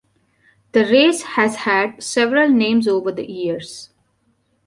The race has had several names over the years.